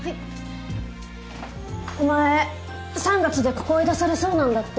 お前３月でここ追い出されそうなんだって？